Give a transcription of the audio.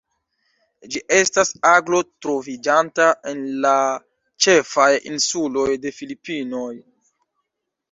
Ĝi estas aglo troviĝanta en la ĉefaj insuloj de Filipinoj.